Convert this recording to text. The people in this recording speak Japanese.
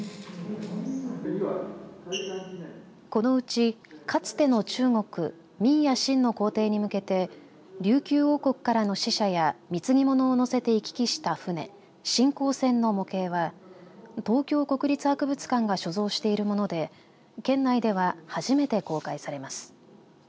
このうちかつての中国明や清の皇帝に向けて琉球王国からの使者や貢ぎ物を載せて行き来した船進貢船の模型は東京国立博物館が所蔵しているもので県内では、初めて公開されます。